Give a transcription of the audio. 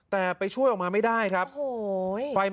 แต่ไปช่วยออกมาไม่ได้ครับโอ้โห